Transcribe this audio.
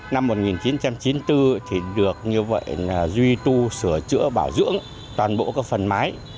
năm một nghìn chín trăm chín mươi bốn thì được như vậy duy tu sửa chữa bảo dưỡng toàn bộ các phần mái